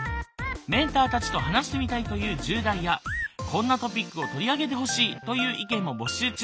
メンターたちと話してみたいという１０代やこんなトピックを取り上げてほしいという意見も募集中。